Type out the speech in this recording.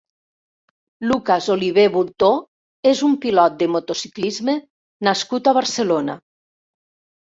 Lucas Oliver Bultó és un pilot de motociclisme nascut a Barcelona.